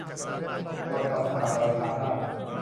กฎบัตรสหประชาชาติ